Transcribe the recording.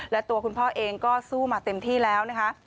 และตัวคุณพ่อเองก็สู้มาเต็มที่แล้วนะคะ